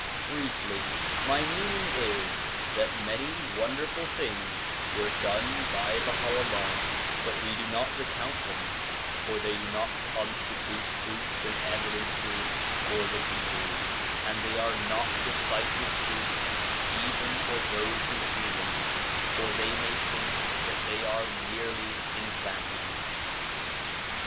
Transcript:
Briefly, my meaning is that many wonderful things were done by Baha'u'llah, but we do not recount them ; for they do not constitute proofs and evidences for the peoples ; and they are not decisive proofs even for those who see them, for they may think that they are merely enchantments.